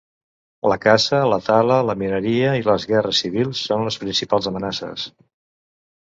La caça, la tala, la mineria i les guerres civils són les principals amenaces.